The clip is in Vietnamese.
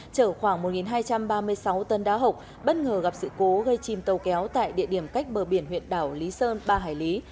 chở khoảng một hai trăm ba mươi sáu tân đá hộc bất ngờ gặp sự cố gây chìm tàu kéo tại địa điểm cách bờ biển huyện đảo lý sơn ba hải lý